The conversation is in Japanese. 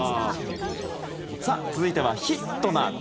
続いては「ヒットな会」